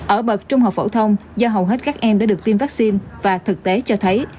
ở bậc trung học phổ thông do hầu hết các em đã được tiêm vaccine và thực tế cho thấy